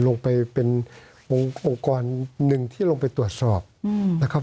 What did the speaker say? ลงไปเป็นองค์กรหนึ่งที่ลงไปตรวจสอบนะครับ